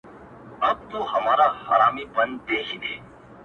زموږ له شونډو مه غواړه زاهده د خلوت کیسه.!